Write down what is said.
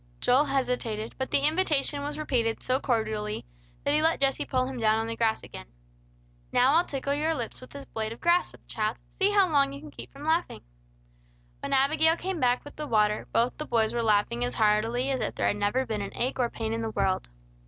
Joel hesitated; but the invitation was repeated so cordially, that he let Jesse pull him down on the grass again. "Now I'll tickle your lips with this blade of grass," said the child. "See how long you can keep from laughing." When Abigail came back with the water, both the boys were laughing as heartily as if there had never been an ache or pain in the world.